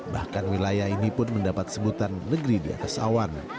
bahkan wilayah ini pun mendapat sebutan negeri di atas awan